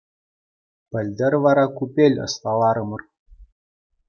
Пӗлтӗр вара купель ӑсталарӑмӑр.